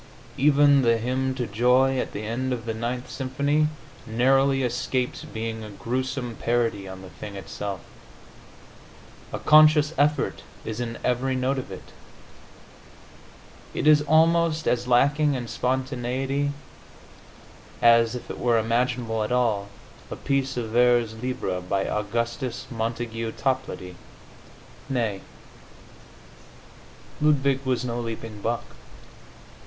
Even the hymn to joy at the end of the Ninth symphony narrowly escapes being a gruesome parody on the thing itself; a conscious effort is in every note of it; it is almost as lacking in spontaneity as (if it were imaginable at all) a piece of vers libre by Augustus Montague Toplady. Nay; Ludwig was no leaping buck.